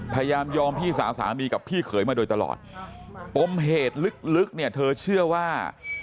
พยายามยอมพี่สาวสามีกับพี่เขยมาโดยตลอดปมเหตุลึกเนี่ยเธอเชื่อว่า